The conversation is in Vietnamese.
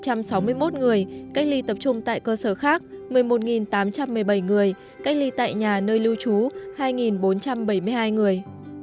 cách ly tập trung tại cơ sở khác một mươi một tám trăm một mươi bảy người cách ly tại nhà nơi lưu trú hai bốn trăm bảy mươi hai người